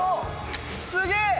すげえ！